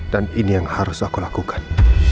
dan ini yang harus aku lakukan